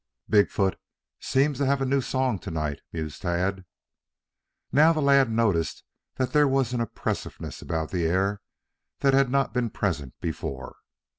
"Big foot seems to have a new song to night," mused Tad. Now the lad noticed that there was an oppressiveness about the air that had not been present before.